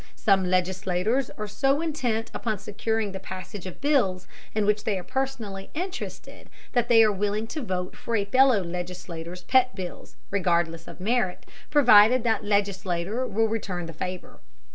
Some legislators are so intent upon securing the passage of bills in which they are personally interested that they are willing to vote for a fellow legislator's pet bills, regardless of merit, provided that legislator will return the favor.